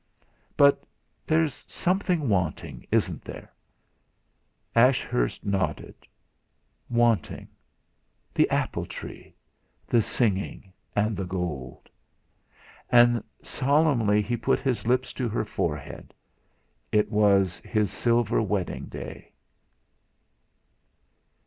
"But there's something wanting, isn't there?" Ashurst nodded. Wanting? The apple tree, the singing, and the gold! And solemnly he put his lips to her forehead. It was his silver wedding day.